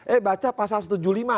eh baca pasal setuju